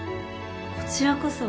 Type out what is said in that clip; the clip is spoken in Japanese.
こちらこそ。